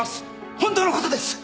本当のことです！